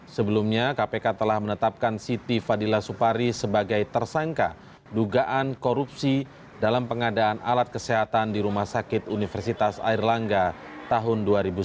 sebelumnya kpk telah menetapkan siti fadila supari sebagai tersangka dugaan korupsi dalam pengadaan alat kesehatan di rumah sakit universitas airlangga tahun dua ribu sembilan belas